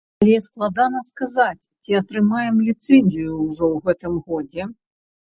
Але складана сказаць, ці атрымаем ліцэнзію ўжо ў гэтым годзе.